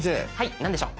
何でしょう。